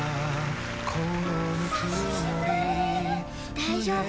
大丈夫。